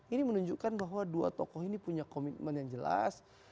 ini menunjukkan bahwa dua tokoh ini punya komitmen yang jelas